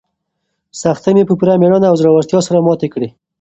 سختۍ مې په پوره مېړانه او زړورتیا سره ماتې کړې.